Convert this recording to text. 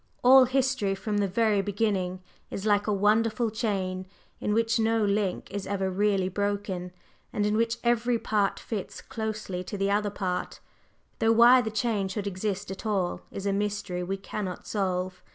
All history from the very beginning is like a wonderful chain in which no link is ever really broken, and in which every part fits closely to the other part, though why the chain should exist at all is a mystery we cannot solve.